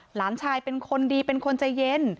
หลานชายเป็นคนดีเป็นคนใจเย็น